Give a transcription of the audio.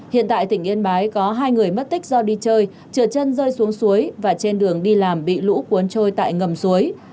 hiện tại tỉnh yên bái có hai người mất tích do đi chơi trượt chân rơi xuống suối và trên đường đi làm bị lũ cuốn trôi tại ngầm suối